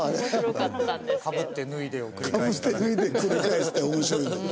かぶって脱いでを繰り返して面白い。